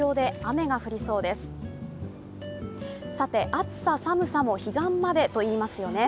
暑さ、寒さも彼岸までと言いますよね。